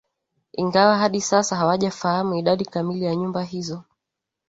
ingawa hadi sasa hawajafahamu idadi kamili ya nyumba hizo